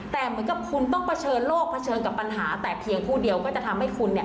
แต่เหมือนกับคุณต้องเผชิญโลกเผชิญกับปัญหาแต่เพียงผู้เดียวก็จะทำให้คุณเนี่ย